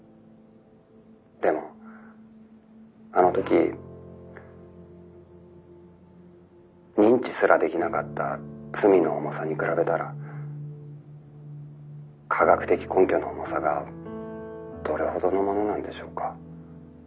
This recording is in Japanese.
でもあの時認知すらできなかった罪の重さに比べたら科学的根拠の重さがどれほどのものなんでしょうか」。